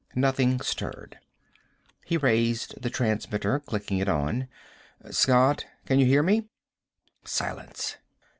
Nothing stirred. He raised the transmitter, clicking it on. "Scott? Can you hear me?" Silence.